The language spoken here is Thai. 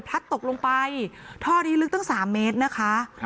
พลัดตกลงไปท่อดีลึกตั้งสามเมตรนะคะครับ